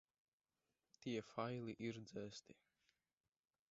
Tie faili ir dzēsti.